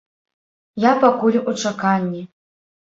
Я пакуль у чаканні.